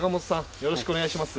よろしくお願いします。